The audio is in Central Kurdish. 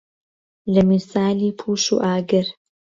له میسالی پووش و ئاگر